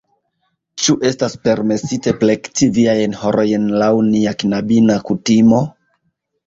Ĉu estas permesite plekti viajn harojn laŭ nia knabina kutimo?